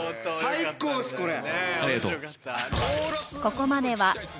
最高ですこれ。